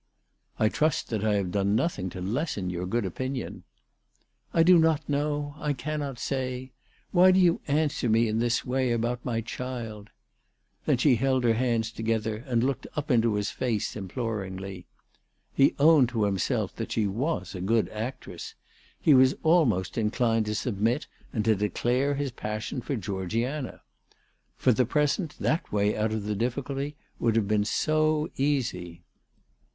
" I trust that I have done nothing to lessen your good opinion." " I do not know. I cannot say. Why do you answer me in this way about my child ?" Then she held her hands together and looked up into his face imploringly. He owned to himself that she was a good actress. He was almost inclined to submit and to declare his passion for Georgiana. For the present that way out of the difficulty would have been so easy